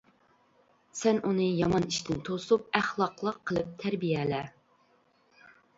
سەن ئۇنى يامان ئىشتىن توسۇپ ئەخلاقلىق قىلىپ تەربىيەلە، .